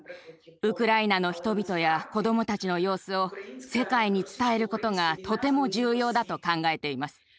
ウクライナの人々や子どもたちの様子を世界に伝えることがとても重要だと考えています。